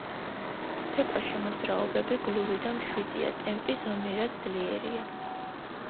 ცეკვაში მოძრაობები გლუვი და მშვიდია, ტემპი ზომიერად ძლიერია.